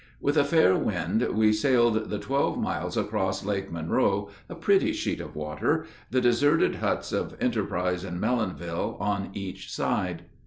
With a fair wind we sailed the twelve miles across Lake Monroe, a pretty sheet of water, the deserted huts of Enterprise and Mellonville on each side.